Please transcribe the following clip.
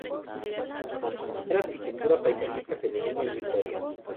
Primera arquitecta paisajista femenina en Victoria.